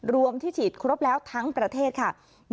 รวมที่ฉีดครบแล้วทั้งประเทศค่ะ